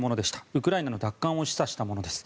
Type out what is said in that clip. ウクライナの奪還を示唆したものです。